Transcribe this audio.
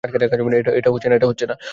এটা হচ্ছে না।